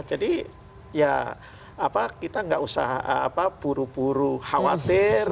jadi ya apa kita nggak usah apa buru buru khawatir